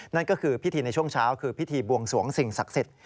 นั่นก็คือพิธีในช่วงเช้าคือพิธีบวงสวงสิ่งศักดิ์สิทธิ์